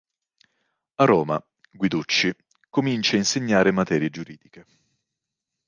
A Roma, Guiducci comincia a insegnare materie giuridiche.